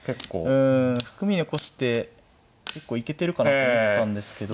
うん含み残して結構いけてるかなと思ったんですけど。